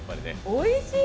おいしい！